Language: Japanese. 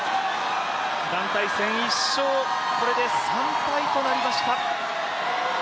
団体戦、これで１勝３敗となりました